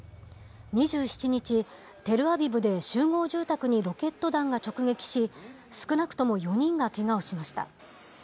２７日、テルアビブで集合住宅にロケット弾が直撃し、少なくとも４人がけがをしました。